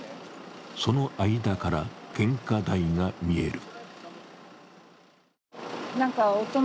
その間から献花台が見える。